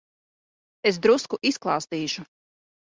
Es drusku izklāstīšu.